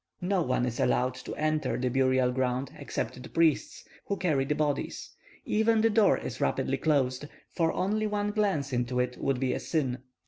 No one is allowed to enter the burial ground except the priests, who carry the bodies; even the door is rapidly closed, for only one glance into it would be a sin.